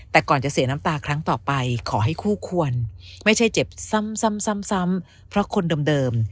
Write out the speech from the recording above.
แต่ก่อนจะเสียน้ำตาครั้งต่อไปขอให้คู่ควรไม่ใช่เจ็บซ้ำเพราะคนเดิม